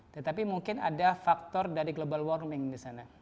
tetapi mungkin ada faktor dari global warming di sana